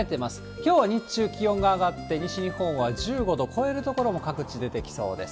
きょうは日中、気温が上がって、西日本は１５度を超える所も各地出てきそうです。